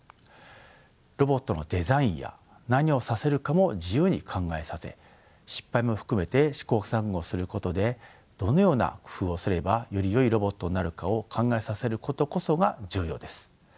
ロボットのデザインや何をさせるかも自由に考えさせ失敗も含めて試行錯誤することでどのような工夫をすればよりよいロボットになるかを考えさせることこそが重要です。